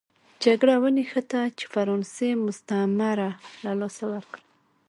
جګړه ونښته چې فرانسې مستعمره له لاسه ورکړه.